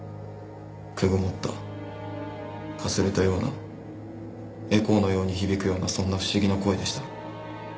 くぐもったかすれたようなエコーのように響くようなそんな不思議な声でした。